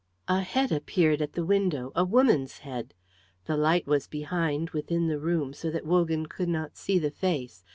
A head appeared at the window, a woman's head. The light was behind, within the room, so that Wogan could not see the face.